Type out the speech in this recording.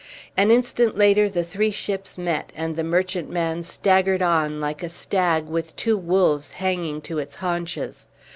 An instant later the three ships met, and the merchant man staggered on like a stag with two wolves hanging to its haunches.